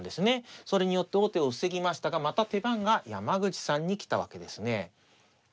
それによって王手を防ぎましたがまた手番が山口さんに来たわけですね。